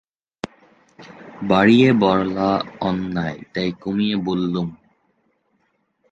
বাড়িয়ে বলা অন্যায়, তাই কমিয়ে বললুম।